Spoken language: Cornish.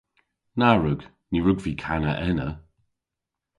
Na wrug. Ny wrug vy kana ena.